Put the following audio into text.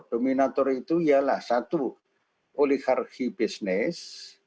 dominator itu ialah satu oligarki bisnis